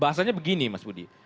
bahasanya begini mas budi